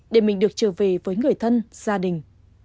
để mình được trở về với người thân gia đình